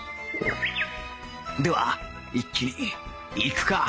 では一気にいくか。